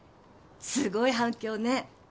すごい反響ね。